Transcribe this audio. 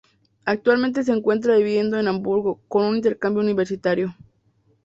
Actualmente se encuentra viviendo en Hamburgo por un intercambio Universitario.